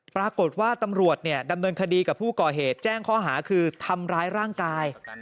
ปรากฏว่าตำรวจดำเนินคดีกับผู้ก่อเหตุแจ้งข้อหาคือทำร้ายร่างกาย